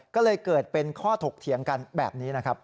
ก็เลยเกิดเป็นข้อถกเถียงกันแบบนี้นะครับ